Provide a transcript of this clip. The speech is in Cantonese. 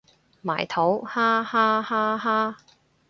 埋土哈哈哈哈